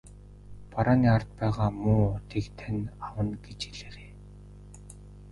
Барааны ард байгаа муу уутыг тань авна гэж хэлээрэй.